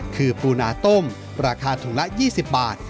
คือปูนาต้มราคาถุงละ๒๐บาท